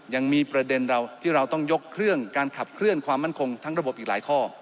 ยังมีประเด็นเราที่เราต้องยกเครื่องการขับเคลื่อนความมั่นคงทั้งระบบอีกหลายข้อ